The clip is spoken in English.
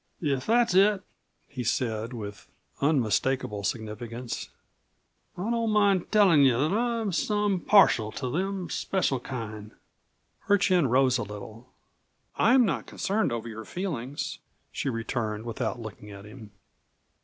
"If that's it," he said with unmistakable significance, "I don't mind tellin' you that I'm some partial to them special kind." Her chin rose a little. "I am not concerned over your feelings," she returned without looking at him.